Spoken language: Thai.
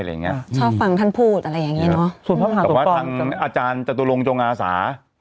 อะไรอย่างงี้ชอบฟังท่านพูดอะไรอย่างงี้เนอะส่วนทางอาจารย์จตุลงจงอาสา